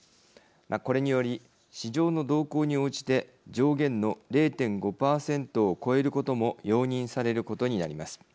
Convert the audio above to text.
これにより市場の動向に応じて上限の０．５％を超えることも容認されることになります。